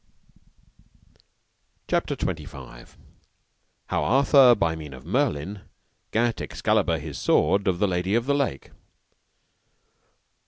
CHAPTER XXV. How Arthur by the mean of Merlin gat Excalibur his sword of the Lady of the Lake.